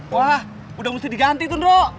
wah udah mesti diganti tuh dok